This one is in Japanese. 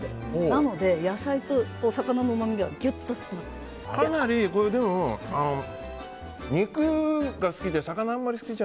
なので、野菜とお魚のうまみがギュッと詰まっている。